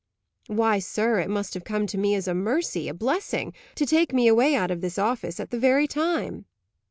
"Why, sir, it must have come to me as a mercy, a blessing; to take me away out of this office at the very time."